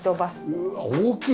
うわあ大きい！